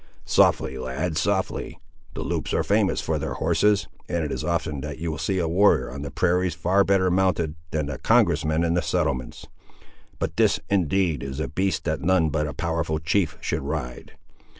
"Softly, lad, softly. The Loups are famous for their horses, and it is often that you see a warrior on the prairies far better mounted, than a congress man in the settlements. But this, indeed, is a beast that none but a powerful chief should ride!